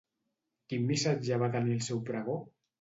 Quin missatge va tenir el seu pregó?